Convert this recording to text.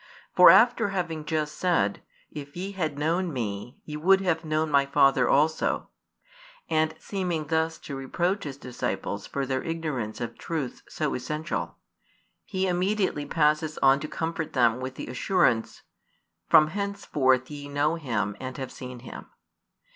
For after having just said: If ye had known Me, ye would have known My Father also, and seeming thus to reproach His disciples for their ignorance of truths so essential, He immediately passes on to comfort them with the assurance: From henceforth ye know Him and have seen Him.